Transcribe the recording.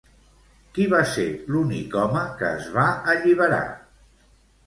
Qui va ser l'únic home que es va alliberar?